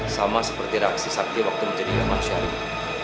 sama seperti reaksi sakti ketika menjadi manusia hari ini